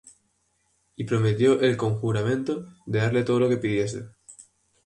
Y prometió él con juramento de darle todo lo que pidiese.